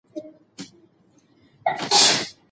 دا علم به زموږ قضاوتونه بدل کړي.